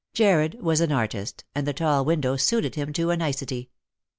Jarred was an artist, and the tall window suited him to a nicety.